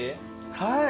はい。